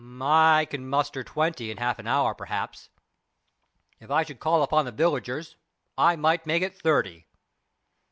"I can muster twenty in half an hour, perhaps; if I should call upon the villagers, I might make it thirty."